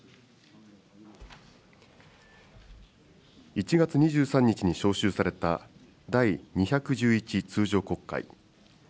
１月２３日に召集された第２１１通常国会。